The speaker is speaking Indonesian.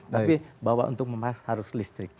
tapi untuk memasak harus listrik